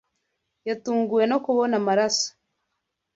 Yatunguwe no kubona amaraso.